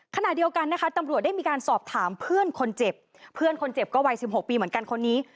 ขณะเดียวกันนะคะตำรวจได้มีการสอบถามเพื่อนคนเจ็บเพื่อนคนเจ็บก็วัย๑๖ปีเหมือนกันคนนี้